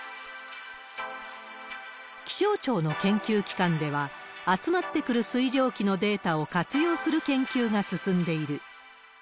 気象庁の研究機関では、集まってくる水蒸気のデータを活用する研究が進んでいる。